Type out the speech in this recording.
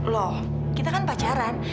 loh kita kan pacaran